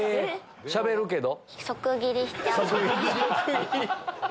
しゃべるけど？